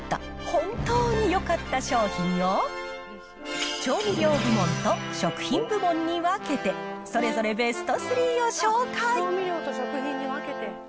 本当によかった商品を、調味料部門と食品部門に分けて、それぞれベスト３を紹介。